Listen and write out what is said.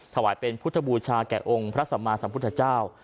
ถวายเป็นพุทธบูชาแก่องค์พระสัมมาสัมพุทธเจ้า